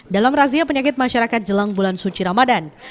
dalam razia penyakit masyarakat jelang bulan suci ramadan